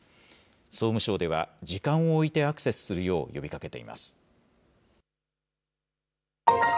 総務省では、時間を置いてアクセスするよう呼びかけています。